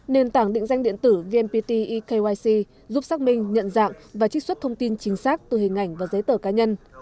nền tảng định danh điện tử vnpt ekyc giúp xác minh nhận dạng và trích xuất thông tin chính xác từ hình ảnh và giấy tờ cá nhân